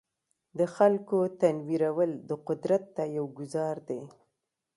د خلکو تنویرول د قدرت ته یو ګوزار دی.